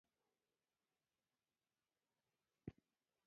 احمد بېچاره لاس و پښې کور پروت دی.